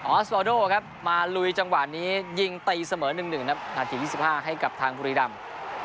อสโวโดครับมาลุยจังหวะนี้ยิงตีเสมอ๑๑ครับนาที๒๕ให้กับทางบุรีรำ